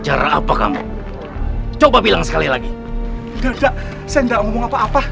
kalau jalan hati hati dong